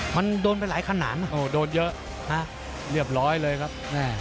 มันโดนไปหลายขนาดโอ้โหโดนเยอะนะเรียบร้อยเลยครับ